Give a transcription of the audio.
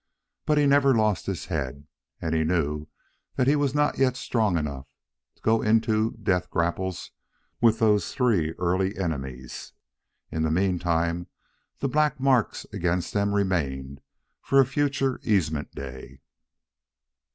But he never lost his head, and he knew that he was not yet strong enough to go into death grapples with those three early enemies. In the meantime the black marks against them remained for a future easement day.